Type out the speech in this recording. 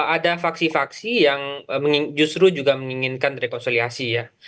ada faksi faksi yang justru juga menginginkan rekonsiliasi ya